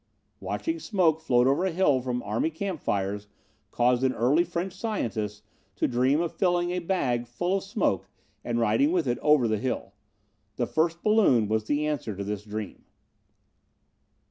"Watching smoke float over a hill from army camp fires caused an early French scientist to dream of filling a bag full of smoke and riding with it over the hill. The first balloon was the answer to this dream.